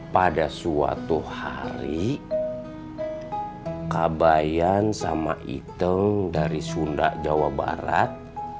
pada suatu hari kabayan sama iteng dari sunda jawa barat